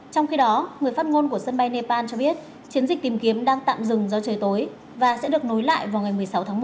trong khi đó người phát ngôn của sân bay nepal cho biết chiến dịch tìm kiếm đang tạm dừng do trời tối và sẽ được nối lại vào ngày một mươi sáu tháng một